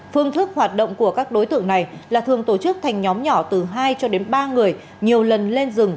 phương thức hoạt động của các đối tượng này là thường tổ chức thành nhóm nhỏ từ hai cho đến ba người nhiều lần lên rừng